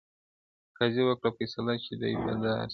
قاضي وکړه فيصله چي دى په دار سي-